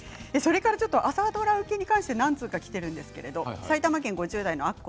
朝ドラ受けに対して何通かきているんですけれども埼玉県５０代の方